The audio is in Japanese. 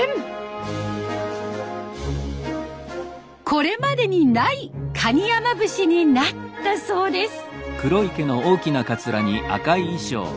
これまでにない「蟹山伏」になったそうです。